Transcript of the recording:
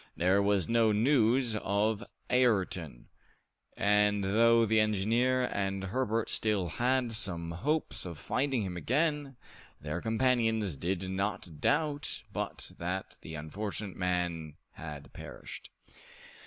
There was no news of Ayrton, and though the engineer and Herbert still had some hopes of finding him again, their companions did not doubt but that the unfortunate man had perished.